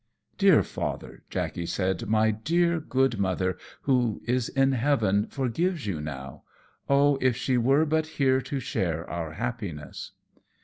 "Dear Father," Jackey said, "my dear, good mother, who is in heaven, forgives you now. Oh, if she were but here to share our happiness!"